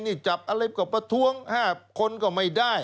นี่จับอะไรก็ประท้วง๕คนก็ไม่ได้